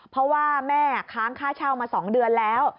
เพราะว่าแม่ค้างค่าเช่ามา๒เดือนแล้ว